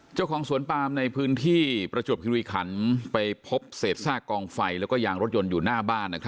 เจ้าของสวนปามในพื้นที่ประจวบคิริขันไปพบเศษซากกองไฟแล้วก็ยางรถยนต์อยู่หน้าบ้าน